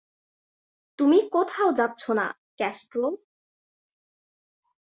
তুমি কোথাও যাচ্ছো না, ক্যাস্ট্রো।